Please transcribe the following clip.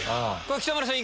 北村さん